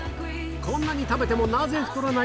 こんなに食べてもなぜ太らない？